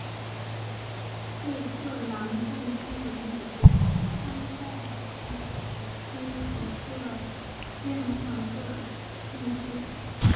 惠特兰镇区为美国堪萨斯州福特县辖下的镇区。